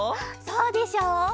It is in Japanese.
そうでしょう！